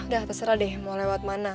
udah terserah deh mau lewat mana